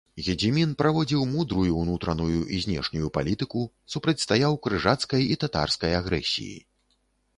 Гедзімін праводзіў мудрую ўнутраную і знешнюю палітыку, супрацьстаяў крыжацкай і татарскай агрэсіі.